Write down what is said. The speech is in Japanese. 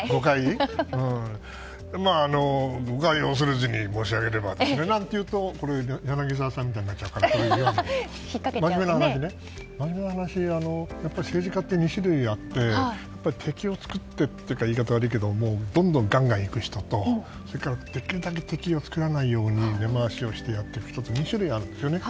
誤解を恐れずに申し上げれば何て言うと柳澤さんみたいになっちゃうけど真面目な話政治家って２種類あって敵を作ってって言ったら言い方悪いけどどんどんガンガン行く人とできるだけ敵を作らないように根回しをやっていく人と２種類あるんですよね。